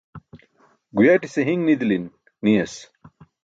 Guyaṭise hiṅ nidilin niyas.